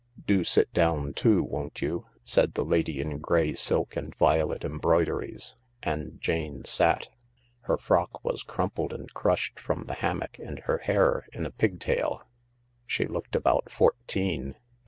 " Do sit down too, won't you ?" said the lady in grey silk and violet embroideries, and Jane sat. Her frock was crumpled and crushed from the hammock and her hair in a pigtail. She looked about fourteen.